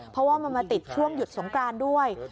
เพราะว่ามันมาติดช่วงหยุดสงกรานด้วย